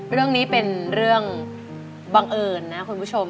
เรื่องนี้เป็นเรื่องบังเอิญนะคุณผู้ชม